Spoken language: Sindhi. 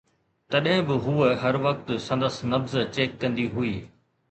تڏهن به هوءَ هر وقت سندس نبض چيڪ ڪندي هئي